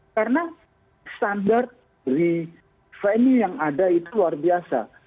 karena standar di venue yang ada itu luar biasa